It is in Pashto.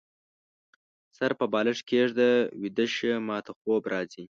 سر په بالښت کيږده ، ويده شه ، ماته خوب راځي